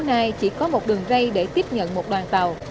ga hố này chỉ có một đường rây để tiếp nhận một đoàn tàu